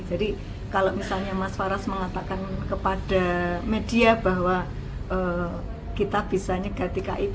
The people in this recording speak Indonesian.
jadi kalau misalnya mas faras mengatakan kepada media bahwa kita bisa nyegati kip